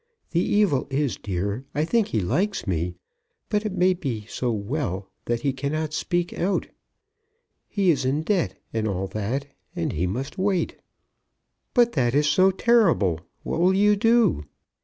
The evil is, dear, I think he likes me, but it may so well be that he cannot speak out. He is in debt, and all that; and he must wait." "But that is so terrible. What will you do?"